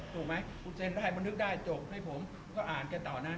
ถูกไหมกูเซ็นได้บันทึกได้จบให้ผมก็อ่านแกต่อนั้น